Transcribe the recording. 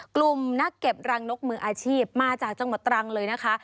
กลุ่มนักเก็บรังนกมืออาชีพมาจากจังหวัดตรังเลยนะคะ